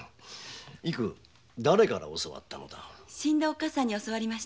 死んだおっかさんに教わりました。